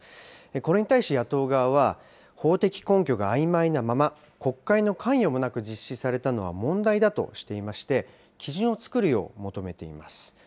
これに対し野党側は、法的根拠があいまいなまま、国会の関与もなく実施されたのは問題だとしていまして、基準を作るよう求めています。